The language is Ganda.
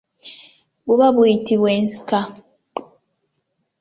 Buba buyitibwa ensika.